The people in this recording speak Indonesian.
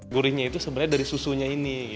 gurihnya itu sebenarnya dari susunya ini